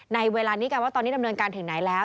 ในเวลานี้กันว่าตอนนี้ดำเนินการถึงไหนแล้ว